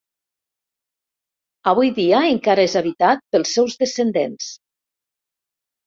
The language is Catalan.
Avui dia encara és habitat pels seus descendents.